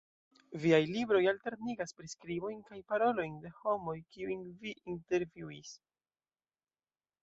Viaj libroj alternigas priskribojn kaj parolojn de homoj kiujn vi intervjuis.